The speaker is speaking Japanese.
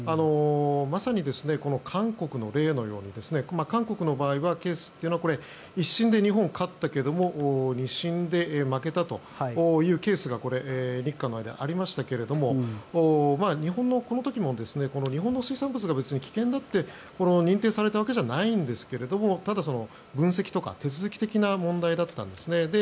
まさに韓国の例のように韓国の場合、ケースというのは１審で日本勝ったけど２審で負けたというケースが日韓の間でありましたが日本のこの時も日本の水産物が別に危険だって認定されたわけじゃないんですがただ、分析とか手続き的な問題だったんですね。